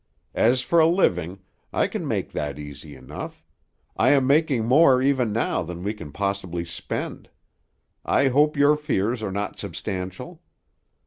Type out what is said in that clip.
As for a living, I can make that easy enough; I am making more even now than we can possibly spend. I hope your fears are not substantial."